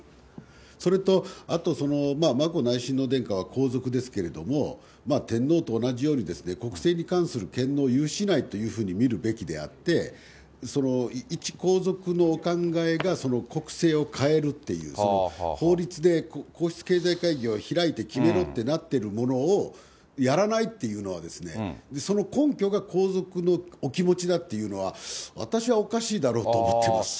それと、眞子内親王殿下は皇族ですけれども、天皇と同じようにですね、国政に関する権能を有しないと見るべきであって、一皇族のお考えが国政を変えるっていう、法律で皇室経済会議を開いて決めろってなってるものを、やらないっていうのは、その根拠が皇族のお気持ちだっていうのは、私はおかしいだろうと思っていますし。